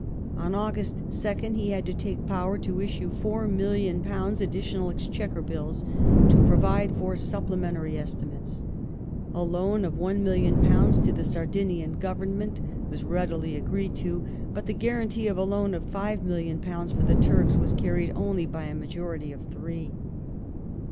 On August 2nd he had to take power to issue £4,000,000 additional Exchequer Bills to provide for supplement ary estimates. A loan of £1,000,000 to the Sardinian Government was readily agreed to ; but the guarantee of a loan of £5,000,000 for the Turks was carried only by a majority of three.